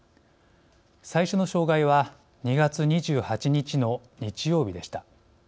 最初の障害は２月２８日の日曜日でした。